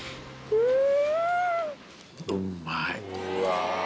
うん！